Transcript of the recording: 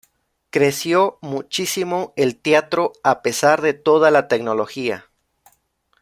Creció muchísimo el teatro a pesar de toda la tecnología.